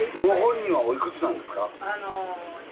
ご本人はおいくつなんですか？